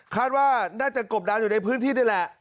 คาดว่าน่าจะกบดานอยู่ในพื้นที่นี่แหละ